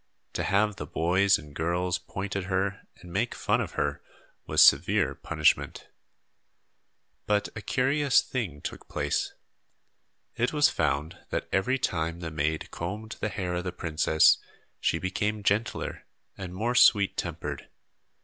To have the boys and girls point at her and make fun of her was severe punishment. But a curious thing took place. It was found that every time the maid combed the hair of the princess she became gentler and more sweet tempered.